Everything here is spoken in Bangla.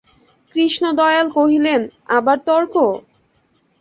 কৃষ্ণদয়াল কহিলেন, আবার তর্ক?